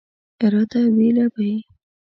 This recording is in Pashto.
راته ویله به یې.